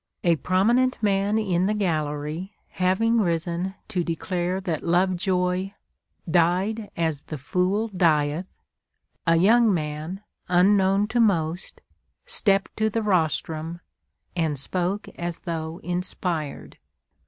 A prominent man in the gallery having risen to declare that Lovejoy "died as the fool dieth," a young man, unknown to most, stepped to the rostrum, and spoke as though inspired.